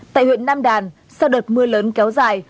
tại huyện nam đàn sau đợt mưa lớn kéo dài